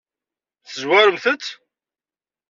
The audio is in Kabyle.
Tezwaremt-t?